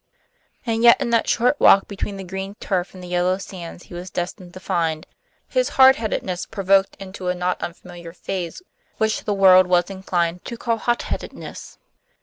And yet in that short walk between the green turf and the yellow sands he was destined to find, his hard headedness provoked into a not unfamiliar phase which the world was inclined to call hot headedness.